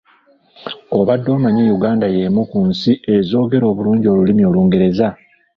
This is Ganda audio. Obadde omanyi Uganda yemu ku nsi ezoogera obulungi olulimi olungereza?